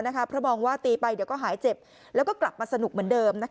เพราะมองว่าตีไปเดี๋ยวก็หายเจ็บแล้วก็กลับมาสนุกเหมือนเดิม